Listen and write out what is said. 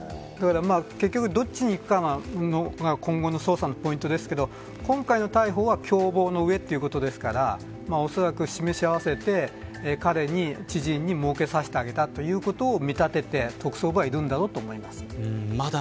結局、どっちにいくかが今後の捜査のポイントですけど今回の逮捕は共謀の上ということですからおそらく、示し合わせて彼に、知人に儲けさせてあげたということを見立てて特捜部はいるんだろうと思います。